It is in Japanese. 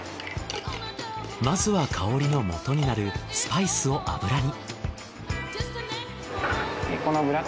まずは香りのもとになるスパイスを油に。